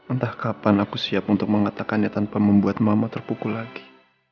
entah kapan aku siap untuk mengatakannya tanpa membuat mamamu terpukul lagi